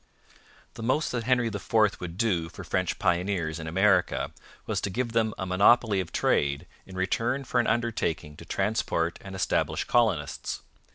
The most that Henry IV would do for French pioneers in America was to give them a monopoly of trade in return for an undertaking to transport and establish colonists.